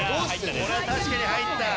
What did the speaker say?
これは確かに入った。